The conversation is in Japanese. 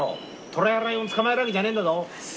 トラやライオン捕まえるわけじゃないんだぞ。